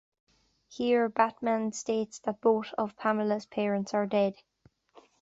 Here, Batman states that both of Pamela's parents are dead.